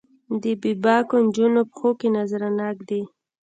د بې باکو نجونو پښو کې نذرانه ږدي